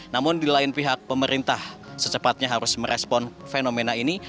namun di lain pihak pemerintah secepatnya harus merespon fenomena ini